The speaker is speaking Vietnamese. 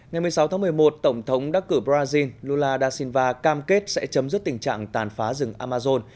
ngày một mươi sáu tháng một mươi một tổng thống đắc cử brazil lula da silva cam kết sẽ chấm dứt tình trạng tàn phá rừng amazon